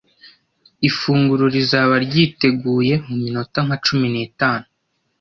Ifunguro rizaba ryiteguye muminota nka cumi n'itanu.